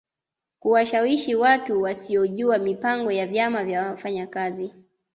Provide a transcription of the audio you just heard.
Kuwashawishi watu wasiojua mipango ya vyama vya wafanyakazi